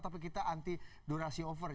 tapi kita anti durasi over